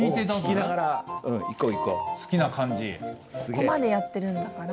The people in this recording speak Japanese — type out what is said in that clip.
ここまでやってるんだから。